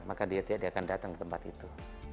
maka dia tidak akan datang ke tempat itu